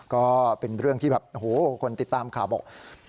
ก็เป็นเรื่องที่แบบโอ้โหคนติดตามข่าวบอก